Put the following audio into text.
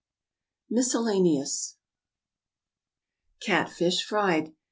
MISCELLANEOUS. =Catfish, Fried.